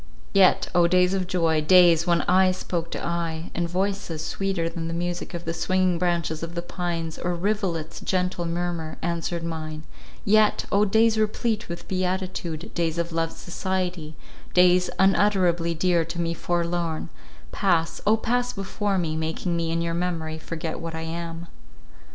Yet, O days of joy—days, when eye spoke to eye, and voices, sweeter than the music of the swinging branches of the pines, or rivulet's gentle murmur, answered mine—yet, O days replete with beatitude, days of loved society—days unutterably dear to me forlorn—pass, O pass before me, making me in your memory forget what I am.